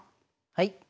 はい。